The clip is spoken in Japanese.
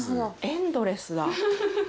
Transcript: エンドレスだ。